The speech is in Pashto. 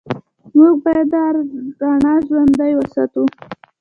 موږ باید دا رڼا ژوندۍ وساتو.